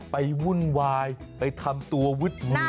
วุ่นวายไปทำตัววึดงู